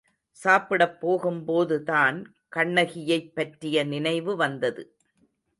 சாப்பிடப் போகும் போதுதான் கண்ணகியைப்பற்றிய நினைவு வந்தது.